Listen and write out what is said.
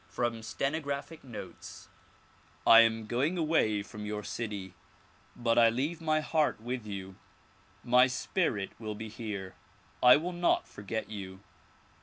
From Stenographic Notes I AM going away from your city but I leave my heart with you. My spirit will be here ; I will not forget you.